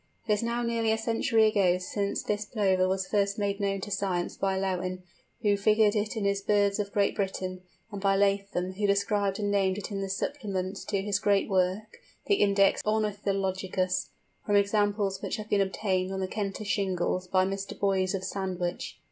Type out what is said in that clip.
It is now nearly a century ago since this Plover was first made known to science by Lewin, who figured it in his Birds of Great Britain; and by Latham, who described and named it in the supplement to his great work, the Index Ornithologicus, from examples which had been obtained on the Kentish shingles by Mr. Boys of Sandwich.